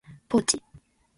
ポーチ、